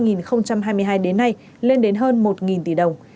năm hai nghìn hai mươi hai đến nay lên đến hơn một tỷ đồng